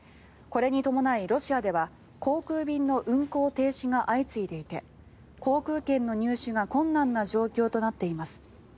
これに伴い、ロシアでは航空便の運航停止が相次いでいて航空券の入手が困難な状況となっています。